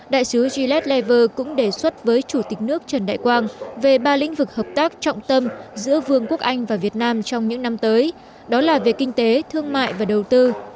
đại sứ gillette lever cũng đề xuất với chủ tịch nước trần đại quang về ba lĩnh vực hợp tác trọng tâm giữa vương quốc anh và việt nam trong những năm tới đó là về kinh tế thương mại và đầu tư